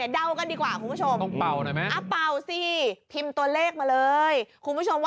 เด้ากันดีกว่าคุณผู้ชม